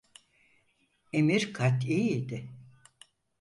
Emir kati idi.